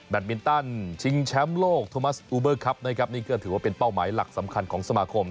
มินตันชิงแชมป์โลกโทมัสอูเบอร์ครับนะครับนี่ก็ถือว่าเป็นเป้าหมายหลักสำคัญของสมาคม